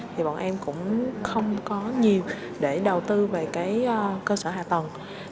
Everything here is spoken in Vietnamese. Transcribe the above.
thì bọn em cũng không có nhiều để đầu tư về cái cơ sở hạ tầng